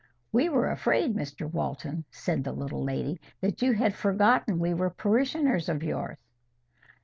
"We were afraid, Mr Walton," said the little lady, "that you had forgotten we were parishioners of yours."